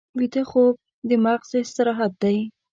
ویده خوب د مغز استراحت دی